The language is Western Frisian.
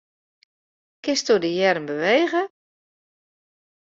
Kinsto de earm bewege?